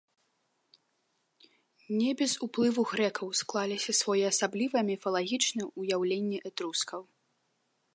Не без уплыву грэкаў склаліся своеасаблівыя міфалагічныя ўяўленні этрускаў.